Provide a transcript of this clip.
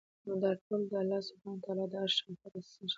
نو دا ټول د الله سبحانه وتعالی د عرش شاوخوا راڅرخي